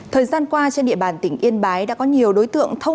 thời gian qua trên địa bàn tỉnh yên bái đã có nhiều đối tượng thông